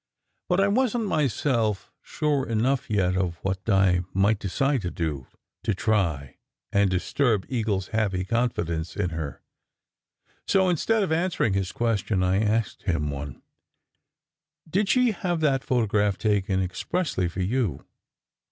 But I wasn t myself sure enough yet of what Di might decide to do, to try and disturb Eagle s happy confidence in her. So, instead of answering his questions, I asked him one: "Did she have that photograph taken expressly for you?"